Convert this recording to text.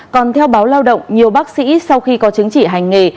còn theo báo lao động nhiều bác sĩ sau khi có chứng chỉ hành nghề